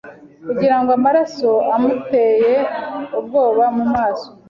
Kugira ngo amaraso amuteye ubwoba mu maso